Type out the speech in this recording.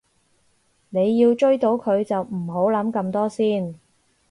你要追到佢就唔好諗咁多先